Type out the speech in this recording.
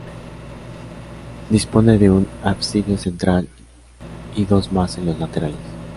Dispone de un ábside central y dos más en los laterales.